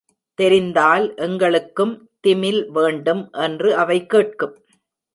தெரிந்தால், எங்களுக் கும் திமில் வேண்டும், என்று அவை கேட்கும்.